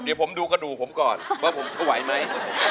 เดี๋ยวผมดูกระดูกผมก่อนว่าผมจะไหวไหม